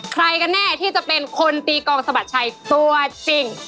ใครกันแน่ที่จะเป็นคนตีกองสะบัดชัยตัวจริง